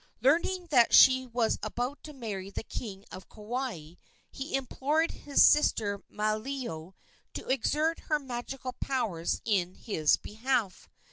Learning that she was about to marry the king of Kauai, he implored his sister, Malio, to exert her magical powers in his behalf.